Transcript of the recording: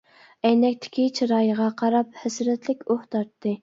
ئەينەكتىكى چىرايىغا قاراپ ھەسرەتلىك ئۇھ تارتتى.